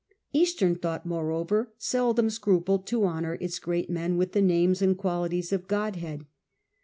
Eastern thought, moreover, seldom scrupled to honour its great men with the names and qualities of god 2. Eastern head.